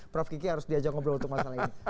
prof kiki harus diajak ngobrol untuk masalah ini